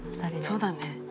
そうだね。